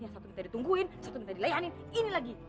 ya satu minta ditungguin satu minta dilayani ini lagi